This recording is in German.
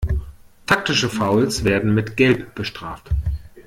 Taktische Fouls werden mit Gelb bestraft.